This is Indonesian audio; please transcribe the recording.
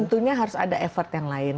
tentunya harus ada effort yang lain